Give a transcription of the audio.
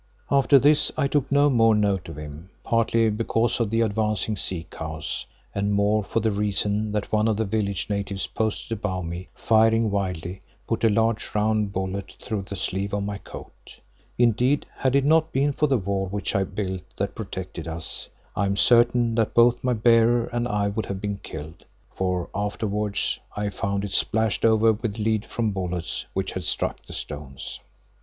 After this I took no more note of him, partly because of the advancing sea cows, and more for the reason that one of the village natives posted above me, firing wildly, put a large round bullet through the sleeve of my coat. Indeed, had it not been for the wall which I built that protected us, I am certain that both my bearer and I would have been killed, for afterwards I found it splashed over with lead from bullets which had struck the stones.